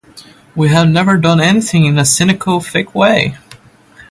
We have never done anything in a cynical, fake way.